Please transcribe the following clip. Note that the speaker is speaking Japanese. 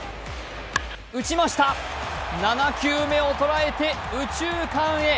打ちました、７球目を捉えて右中間へ。